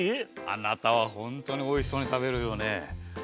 あなたはホントにおいしそうに食べるよね。